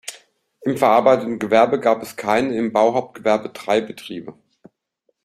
Im verarbeitenden Gewerbe gab es keine, im Bauhauptgewerbe drei Betriebe.